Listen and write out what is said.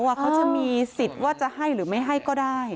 ว่าเขาจะมีสิทธิ์ว่าจะให้หรือไม่ให้ก็ได้